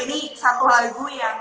ini satu lagu yang